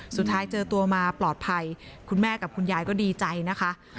สุดท้ายเจอตัวมาปลอดภัยคุณแม่กับคุณยายก็ดีใจนะคะ